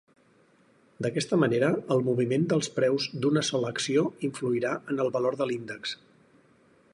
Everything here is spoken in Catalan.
D'aquesta manera, el moviment dels preus d'una sola acció influirà en el valor de l'índex.